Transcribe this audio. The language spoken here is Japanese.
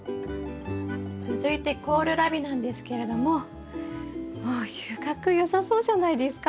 続いてコールラビなんですけれどももう収穫よさそうじゃないですか？